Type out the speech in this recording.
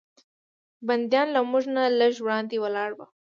بندیان له موږ نه لږ وړاندې ولاړ و.